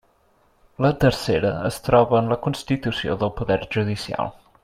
La tercera es troba en la constitució del poder judicial.